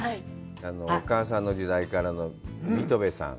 お母さんの時代からの水戸部さん。